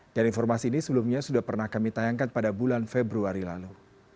dan informasi ini sebelumnya sudah pernah kami tayangkan pada bulan februari lalu